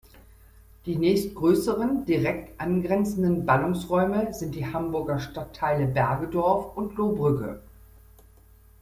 Die nächstgrößeren direkt angrenzenden Ballungsräume sind die Hamburger Stadtteile Bergedorf und Lohbrügge.